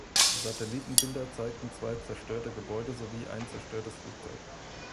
Satellitenbilder zeigten zwei zerstörte Gebäude sowie ein zerstörtes Flugzeug.